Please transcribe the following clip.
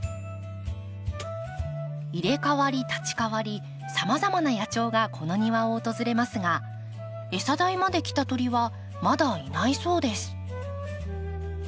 入れ代わり立ち代わりさまざまな野鳥がこの庭を訪れますが餌台まで来た鳥はまだいないそうです。